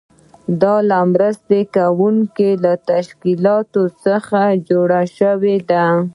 دا له مرسته کوونکو تشکیلاتو څخه جوړه شوې ده.